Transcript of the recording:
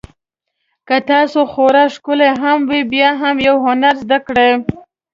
که تاسو خورا ښکلي هم وئ بیا هم یو هنر زده کړئ.